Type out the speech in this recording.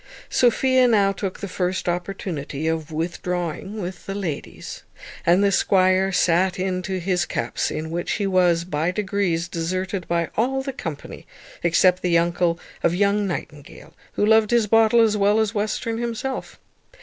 Sophia now took the first opportunity of withdrawing with the ladies, and the squire sat in to his cups, in which he was, by degrees, deserted by all the company except the uncle of young Nightingale, who loved his bottle as well as Western himself.